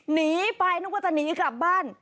หนีไปนึกว่าจะหนีกลับบ้าน